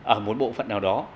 ở một bộ phận nào đó